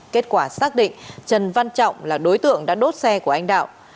kết quả xác định trần văn trọng là đối tượng đã đốt xe của anh đạo